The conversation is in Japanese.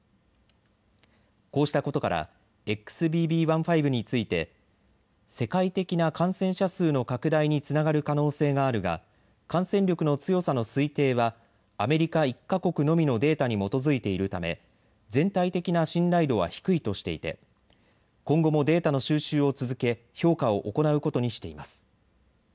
こうしたことからＸＢＢ．１．５について世界的な感染者数の拡大につながる可能性があるが感染力の強さの推定はアメリカ１か国のみのデータに基づいているため全体的な信頼度は低いとしていて今後もデータの収集を続け評価を行うことにしています。